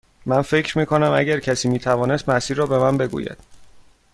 من فکر می کنم اگر کسی می توانست مسیر را به من بگوید.